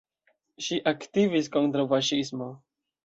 Ŝi aktivis kontraŭ faŝismo.